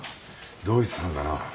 同一犯だな。